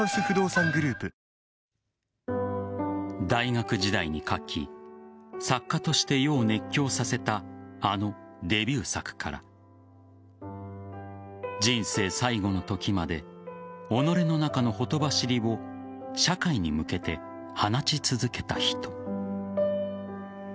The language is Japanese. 大学時代に書き作家として世を熱狂させたあのデビュー作から人生最期の時まで己の中のほとばしりを社会に向けて放ち続けた人。